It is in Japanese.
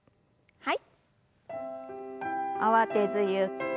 はい。